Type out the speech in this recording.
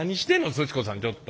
すち子さんちょっと。